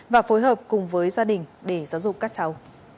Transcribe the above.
và phối hợp cùng với gia đình để giáo dục các cháu